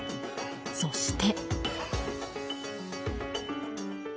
そして。